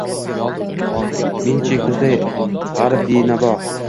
Men-chi, kuzday g‘arib, benavo